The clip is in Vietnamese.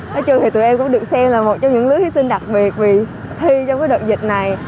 nói chung thì tụi em cũng được xem là một trong những lứa hy sinh đặc biệt vì thi trong cái đợt dịch này